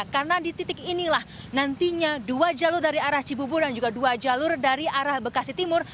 karena di titik inilah nantinya dua jalur dari arah cibubur dan juga dua jalur dari arah bekasi timur